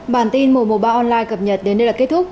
bản tin mùa mùa ba online cập nhật đến đây là kết thúc